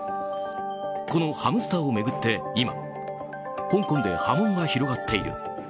このハムスターを巡って今香港で波紋が広がっている。